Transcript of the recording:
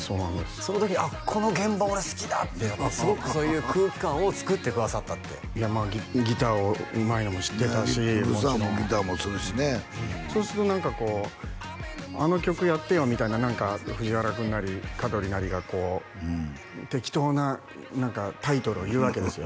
その時に「あっこの現場俺好きだ」ってすごくそういう空気感をつくってくださったっていやギターをうまいのも知ってたしもちろんぐっさんもギターもするしねそうすると何かこうあの曲やってよみたいな藤原君なり香取なりがこう適当なタイトルを言うわけですよ